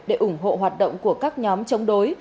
để ủng hộ hoạt động của các nhóm chống đối